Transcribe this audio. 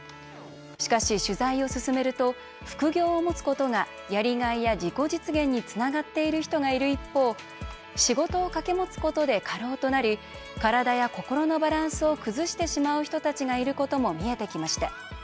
しかし、取材を進めると副業をもつことがやりがいや自己実現につながっている人がいる一方仕事を掛け持つことで過労となり体や心のバランスを崩してしまう人たちがいることも見えてきました。